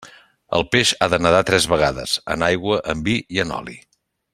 El peix ha de nadar tres vegades: en aigua, en vi i en oli.